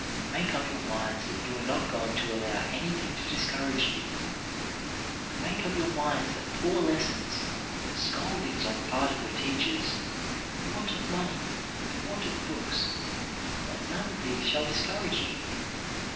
Make up your minds that you are not going to allow anything to discourage you. Make up your minds that poor lessons, scoldings on the part of your teachers, want of money, want of books — that none of these shall discourage you.